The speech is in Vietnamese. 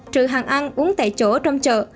trừ hàng ăn uống tại chỗ trong chợ